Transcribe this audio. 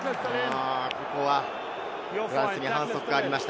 ここはフランスに反則がありました。